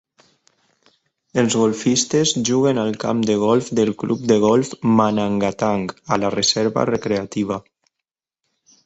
Els golfistes juguen al camp de golf del Club de Golf Manangatang, a la Reserva Recreativa.